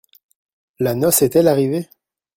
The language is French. La noce est-elle arrivée ?